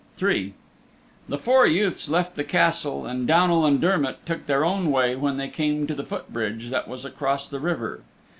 III The four youths left the Castle and Downal and Dermott took their own way when they came to the foot bridge that was across the river.